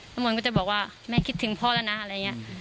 น้ำมือก็จะบอกว่าแม่คิดถึงพ่อแล้วนะ